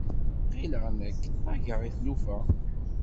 Ɣileɣ nek ṭaggeɣ i tlufa.